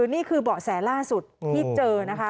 นี่คือเบาะแสล่าสุดที่เจอนะคะ